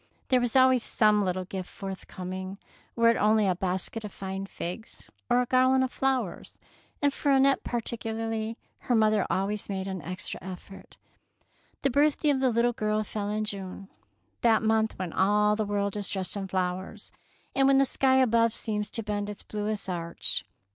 There was always some little gift forthcoming, were it only a basket of fine figs or a garland of flowers; and for Annette particularly her mother always made an extra effort. The birthday of the little girl fell in June, that month when all the world 12 177 DEEDS OF DABING is dressed in flowers, and when the sky above seems to bend its bluest arch.